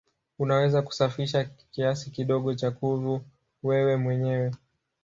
Unaweza kusafisha kiasi kidogo cha kuvu wewe mwenyewe.